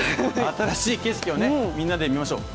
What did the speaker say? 新しい景色をみんなで見ましょう。